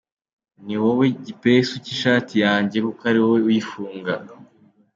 Ni wowe gipesu cy’ishati yajye kuko ari wowe uyifunga.